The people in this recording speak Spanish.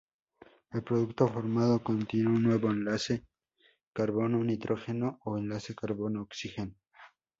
El producto formado contiene un nuevo enlace carbono-nitrógeno o enlace carbono-oxígeno.